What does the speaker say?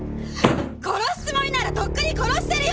殺すつもりならとっくに殺してるよ！